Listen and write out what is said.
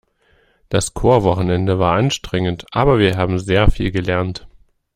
Das Chorwochenende war anstrengend, aber wir haben sehr viel gelernt.